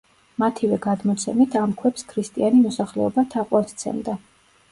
მათივე გადმოცემით, ამ ქვებს ქრისტიანი მოსახლეობა თაყვანს სცემდა.